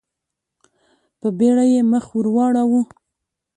په بېړه يې مخ ور واړاوه.